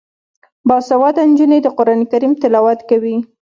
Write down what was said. باسواده نجونې د قران کریم تلاوت کوي.